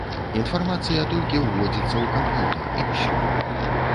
Інфармацыя толькі ўводзіцца ў камп'ютар, і ўсё.